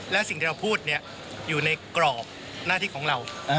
และสิ่งที่เราพูดอยู่ในกรอบหน้าที่ของเรา